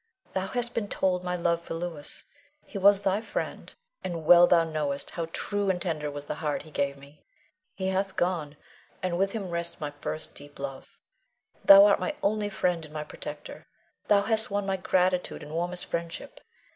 Thou hast been told my love for Louis; he was thy friend, and well thou knowest how true and tender was the heart he gave me. He hath gone, and with him rests my first deep love. Thou art my only friend and my protector; thou hast won my gratitude and warmest friendship.